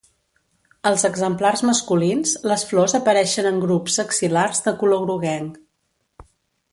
Als exemplars masculins, les flors apareixen en grups axil·lars de color groguenc.